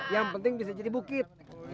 yang penting bisa jadi bukit